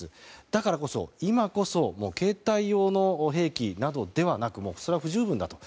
だからこそ、今こそ携帯用の兵器などではなくそれは不十分だと。